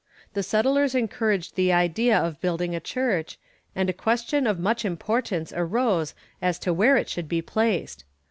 The settlers encouraged the idea of building a church, and a question of much importance arose as to where it should be placed.